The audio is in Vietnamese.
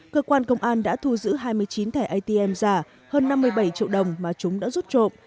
cơ quan công an đã thu giữ hai mươi chín thẻ atm giả hơn năm mươi bảy triệu đồng mà chúng đã rút trộm